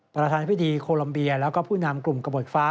ประธานพิธีโคลัมเบียแล้วก็ผู้นำกลุ่มกระบดฟ้า